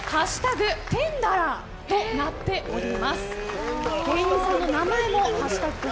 テンダラーとなっております。